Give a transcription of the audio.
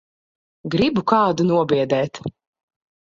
Gribu kādu nobiedēt.